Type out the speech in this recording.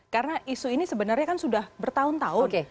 karena isu ini sebenarnya kan sudah bertahun tahun